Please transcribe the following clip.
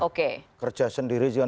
oke kerja sendiri juga